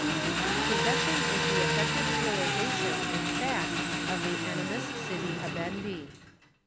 Possession is the effective realisation in fact of the animus sibi habendi.